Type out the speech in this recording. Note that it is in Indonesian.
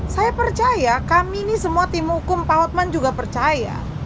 saya percaya kami ini semua tim hukum pak hotman juga percaya